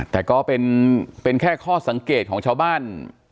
แต่ก็เป็นแค่ข้อสังเกตของชาวบ้าน